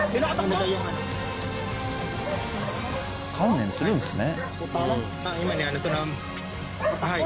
観念するんすね。